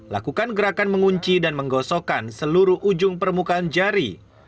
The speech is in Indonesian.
lakukan gerakan mengunci dan menggosokkan seluruh ujung permukaan jari